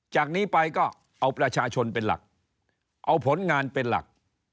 จากนี้ไปก็เอาประชาชนเป็นหลักเอาผลงานเป็นหลัก